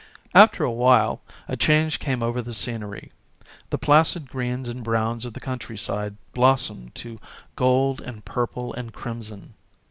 After a while a change came over the scenery. The placid greens and browns of the countryside blos somed to gold and purple and crimson.